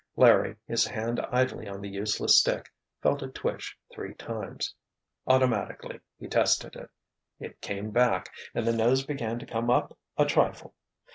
Larry, his hand idly on the useless stick, felt it twitch three times. Automatically he tested it. It came back, and the nose began to come up a trifle.